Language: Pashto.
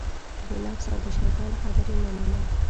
د نفس او دشیطان خبرې مه منه